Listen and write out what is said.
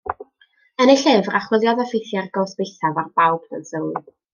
Yn ei llyfr, archwiliodd effeithiau'r gosb eithaf ar bawb dan sylw.